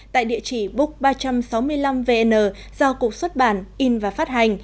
tại địa chỉ book ba trăm sáu mươi năm vn do cục xuất bản in và phát hành